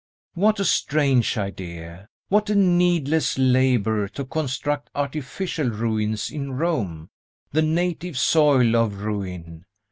What a strange idea what a needless labor to construct artificial ruins in Rome, the native soil of ruin!